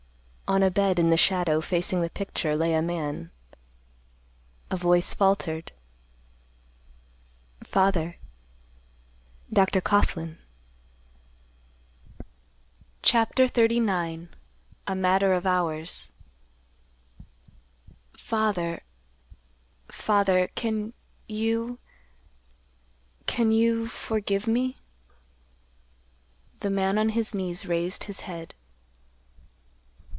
On a bed in the shadow, facing the picture, lay a man. A voice faltered, "Father. Dr. Coughlan." CHAPTER XXXIX. A MATTER OF HOURS. "Father—Father; can—you—can—you—forgive me?" The man on his knees raised his head.